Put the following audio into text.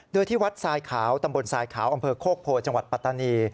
โดยที่วัดทรายขาวตำบลทรายขาวอำเภอโคกโพจังหวัดปัตตานี